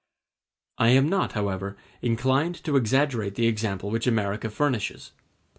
I am not, however, inclined to exaggerate the example which America furnishes.